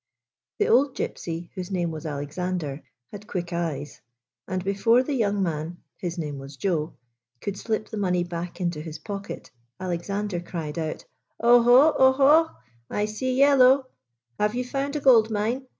The old Gypsy, whose name was Alexander, had quick eyes, and, before the young man — his name was Joe — could slip the money back into his pocket, Alexander cried out : 87 GYPSY, THE TALKING DOG "Olio, olie! I see yellow ! Have you found a gold mine?